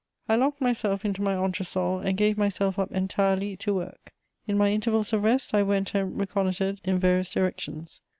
* I locked myself into my entre sol and gave myself up entirely to work. In my intervals of rest, I went and reconnoitred in various directions.